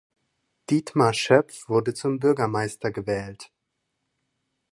Dietmar Schöpf wurde zum Bürgermeister gewählt.